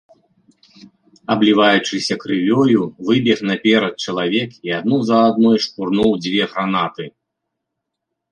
Абліваючыся крывёю, выбег наперад чалавек і адну за адной шпурнуў дзве гранаты.